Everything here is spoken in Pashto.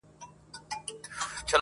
نه د چا په حلواګانو کي لوبیږو -